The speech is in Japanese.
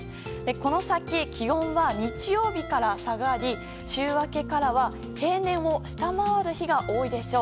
この先、気温は日曜日から下がり週明けからは平年を下回る日が多いでしょう。